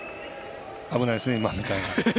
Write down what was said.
危ないですね、今みたいな。